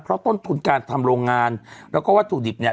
เพราะต้นทุนการทำโรงงานแล้วก็วัตถุดิบเนี่ย